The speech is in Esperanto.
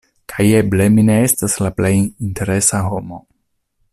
Kaj eble mi ne estas la plej interesa homo.